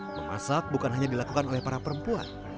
memasak bukan hanya dilakukan oleh para perempuan